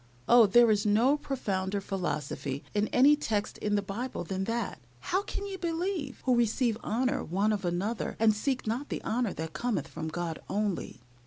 Oh! there is no profounder philosophy in any text in the Bible than that "How can ye believe who receive honor one of another, and seek not the honor that cometh from God only?"